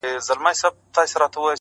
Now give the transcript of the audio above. ملنگ خو دي وڅنگ ته پرېږده ـ